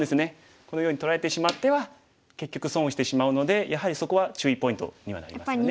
このように取られてしまっては結局損をしてしまうのでやはりそこは注意ポイントにはなりますね。